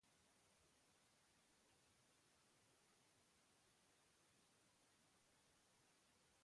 Eraldaketa horrek iragankortasuna ere seinalatzen du.